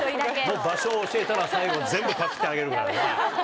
もう場所を教えたら最後全部パクってあげるからな。